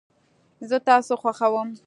زه تاسو خوښوم